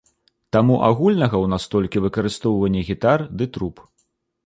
Таму агульнага ў нас толькі выкарыстоўванне гітар ды труб.